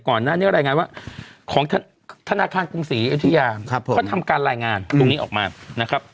ก่อนหน้านี้รายงานว่าของธนาคารกรุงศรีอยุธยาเขาทำการรายงานตรงนี้ออกมานะครับ